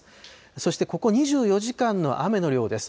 そしてここ２４時間の雨の量です。